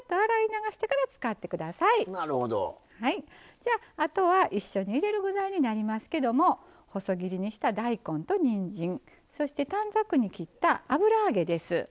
じゃああとは一緒に入れる具材になりますけども細切りにした大根とにんじんそして短冊に切った油揚げです。